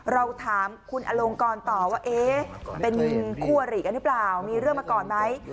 เราถามคุณอลงกรต่อว่าเอ๊ะเป็นคู่อริกันหรือเปล่ามีเรื่องมาก่อนไหม